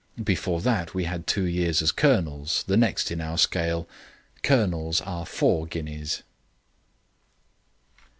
Before that we had two years as colonels, the next in our scale. Colonels are four guineas."